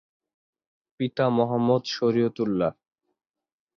পিতা মোহাম্মদ শরিয়তুল্লাহ।